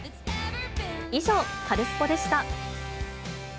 以上、カルスポっ！でした。